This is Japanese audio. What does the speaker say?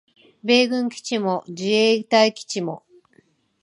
米軍基地も自衛隊基地も